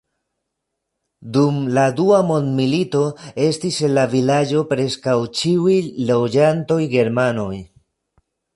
Dum la dua mondmilito estis en la vilaĝo preskaŭ ĉiuj loĝantoj germanoj.